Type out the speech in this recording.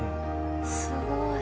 すごい。